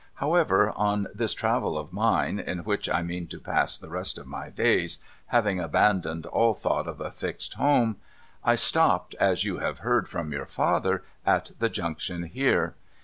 However, on this travel of mine (in which I mean to pass the rest of my days, having abandoned all thought of a fixed home), I stopped, as you have heard from your father, at the Junction here.